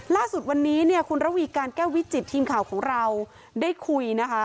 ล่าสุดวันนี้เนี่ยคุณระวีการแก้ววิจิตทีมข่าวของเราได้คุยนะคะ